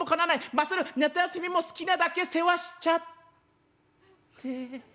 まさる夏休みも好きなだけ世話しちゃって」。